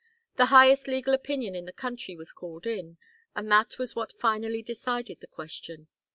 The highest legal opinion in the country was called in, and that was what finally decided the question.